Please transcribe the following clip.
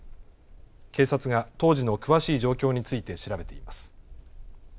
警察が当時の詳しい状況について調べています。